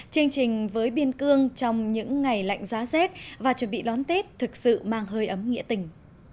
chương trình với biên cương trong những ngày lạnh giá rét và chuẩn bị đón tết thực sự mang hơi ấm nghĩa tình